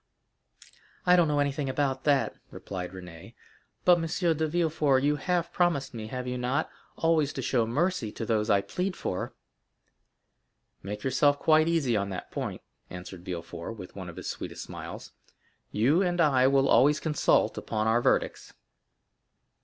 "I don't know anything about that," replied Renée; "but, M. de Villefort, you have promised me—have you not?—always to show mercy to those I plead for." "Make yourself quite easy on that point," answered Villefort, with one of his sweetest smiles; "you and I will always consult upon our verdicts."